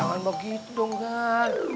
jangan begitu dong gan